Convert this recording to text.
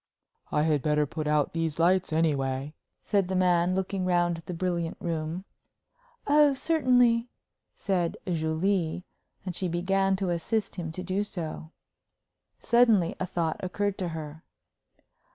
"I had better put out these lights, anyway," said the man, looking round the brilliant room. "Oh, certainly," said Julie, and she began to assist him to do so. Suddenly a thought occurred to her.